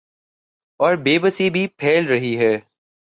اوربے بسی بھی جو پھیل رہی ہیں۔